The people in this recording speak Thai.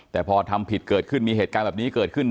แต่พอทำผิดเกิดขึ้นมีเหตุการณ์แบบนี้เกิดขึ้น